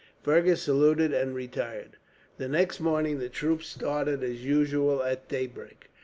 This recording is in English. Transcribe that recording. Fergus saluted, and retired. The next morning the troops started, as usual, at daybreak.